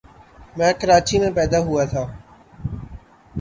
میں کراچی میں پیدا ہوا تھا۔